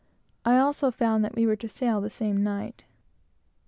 I also found that we were to sail the same night.